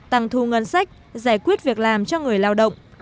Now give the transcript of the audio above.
tăng thu ngân sách giải quyết việc làm cho người lao động